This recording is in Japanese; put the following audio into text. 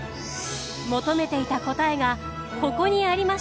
求めていた答えがここにありました。